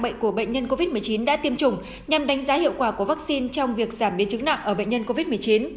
bệnh của bệnh nhân covid một mươi chín đã tiêm chủng nhằm đánh giá hiệu quả của vaccine trong việc giảm biến chứng nặng ở bệnh nhân covid một mươi chín